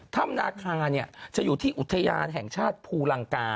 ถ้ำนาคาจะอยู่ที่อุทยานแห่งชาติภูลังกา